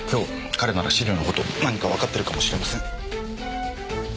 彼なら資料の事何かわかってるかもしれません。